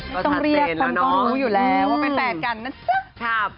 ไม่ต้องเรียกคนก็รู้อยู่แล้วว่าเป็นแฟนกันนะจ๊ะ